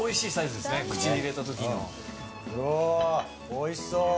おいしそう！